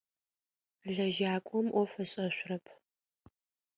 Лэжьакӏом ӏоф ышӏэшъурэп.